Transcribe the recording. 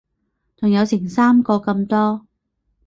仲有成三個咁多